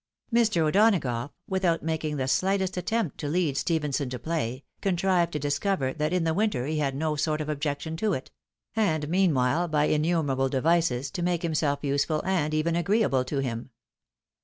Mr. O'Donagough, without making the slightest attempt to lead Stephenson to play, contrived to discover that in the winter he had no sort of objection to it ; and, meanwhile, by innu merable devices to make liimself useful and even agreeable to him.